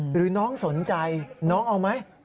หรือน้องสนใจน้องเอาไหม